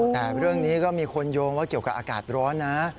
แต่เรื่องนี้ก็มีคนโยงว่าเกี่ยวกับอากาศร้อนนะ